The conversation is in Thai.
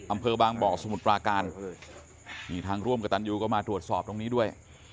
อำเภอบางบ่อสมุทรปราการนี่ทางร่วมกับตันยูก็มาตรวจสอบตรงนี้ด้วย